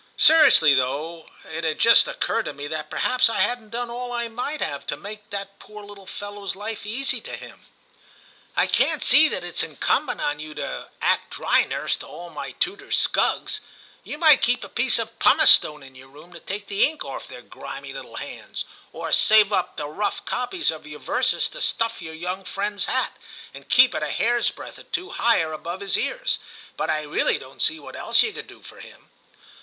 'Seriously though, it had just occurred to me that perhaps I hadn't done all I might have to make that poor little fellow's life easy to him.' ' I can't see that it is incumbent on you to act dry nurse to all my tutor's scugs ; you might keep a piece of pumice stone in your room to take the ink off their grimy little hands, or save up the rough copies of your VI TIM 139 verses to stuff your young friend's hat, and keep it a hair's breadth or two higher above his ears, but I really don't see what else you could do for him.